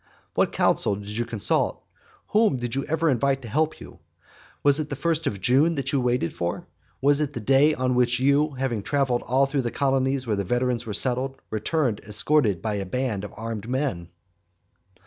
What council did you consult? Whom did you ever invite to help you? What was the first of June that you waited for? Was it that day on which you, having travelled all through the colonies where the veterans were settled, returned escorted by a band of armed men?